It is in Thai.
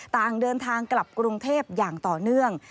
ต่างเดินทางกลับกรุงเทพอย่างต่อเนื่อง